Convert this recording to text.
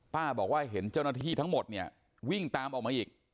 บอกว่าเห็นเจ้าหน้าที่ทั้งหมดเนี่ยวิ่งตามออกมาอีก